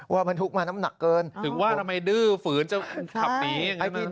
บรรทุกมาน้ำหนักเกินถึงว่าทำไมดื้อฝืนจะขับหนียังไง